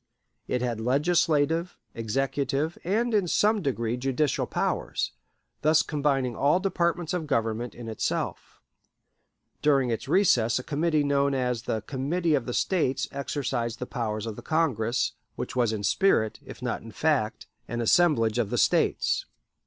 It had legislative, executive, and in some degree judicial powers, thus combining all departments of government in itself. During its recess a committee known as the Committee of the States exercised the powers of the Congress, which was in spirit, if not in fact, an assemblage of the States.